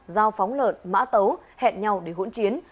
dao phóng lợn mã tấu hẹn nhau để hỗn chiến